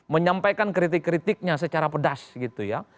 menyampaikan kritik kritiknya secara pedas gitu ya